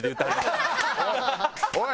おい！